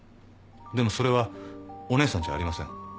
でもそれはお姉さんじゃありません。